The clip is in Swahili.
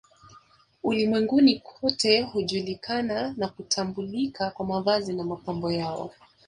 Ulimwenguni kote hujulikana na kutambulika kwa mavazi na mapambo yao